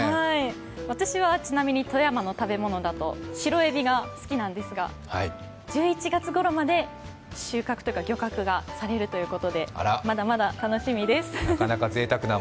私はちなみに富山の食べ物だと白えびが好きなんですが１１月ごろまで漁獲されるということで、まだまだ楽しみです。